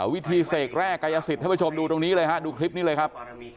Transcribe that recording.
วิธีเสกแร่กายสิทธิ์ท่านผู้ชมดูตรงนี้เลยฮะดูคลิปนี้เลยครับ